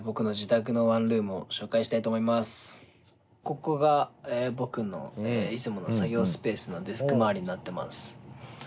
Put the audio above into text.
ここが僕のいつもの作業スペースのデスク周りになってます。